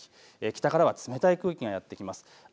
北からは冷たい空気がやって来ます。